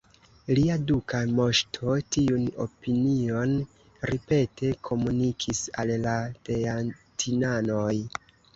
Lia duka moŝto tiun opinion ripete komunikis al la teatinanoj.